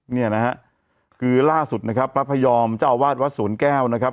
เนี่ยนะฮะคือล่าสุดนะครับพระพยอมเจ้าอาวาสวัดสวนแก้วนะครับ